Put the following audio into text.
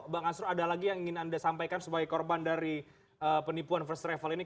bang arsul ada lagi yang ingin anda sampaikan sebagai korban dari penipuan first travel ini